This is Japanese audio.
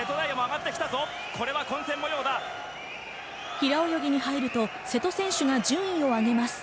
平泳ぎに入ると瀬戸選手が順位を上げます。